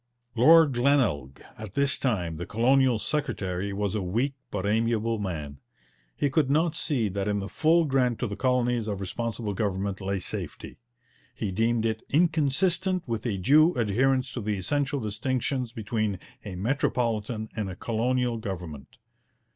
Lord Glenelg, at this time the colonial secretary, was a weak but amiable man. He could not see that in the full grant to the colonies of Responsible Government lay safety; he deemed it 'inconsistent with a due adherence to the essential distinctions between a Metropolitan and a Colonial Government.